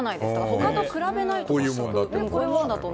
他と比べないと。